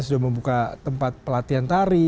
sudah membuka tempat pelatihan tari